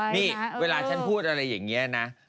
นี่เวลาฉันพูดอะไรอย่างนี้นะ